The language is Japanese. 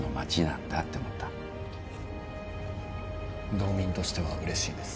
道民としてはうれしいです。